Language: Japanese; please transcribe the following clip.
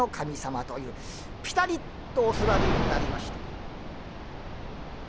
ピタリとお座りになりました。